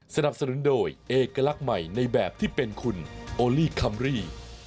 สนับสนุนโดยเอกลักษณ์ใหม่ในแบบที่เป็นคุณโอลี่คัมรี่